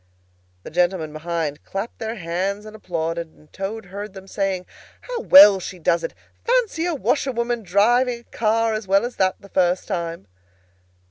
The gentlemen behind clapped their hands and applauded, and Toad heard them saying, "How well she does it! Fancy a washerwoman driving a car as well as that, the first time!"